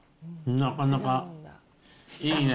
なかなかいいね。